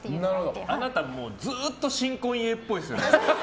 あなた、もうずっと新婚イエーイっぽいですよね。